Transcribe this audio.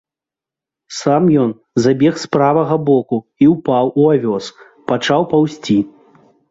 Сам ён забег з правага боку і ўпаў у авёс, пачаў паўзці.